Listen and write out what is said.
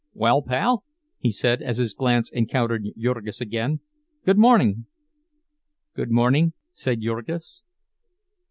"Well, pal," he said, as his glance encountered Jurgis again, "good morning." "Good morning," said Jurgis.